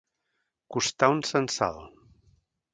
Costar un censal.